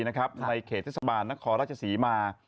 ในเขตพระสะบานนครราชสีมา